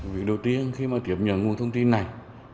việc đầu tiên khi mà kiểm nhận nguồn thông tin này